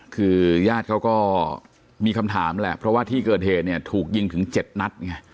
คือญาติเขาก็มีคำถามแหละเพราะว่าที่เกิดเหตุเนี่ยถูกยิงถึง๗นัดไง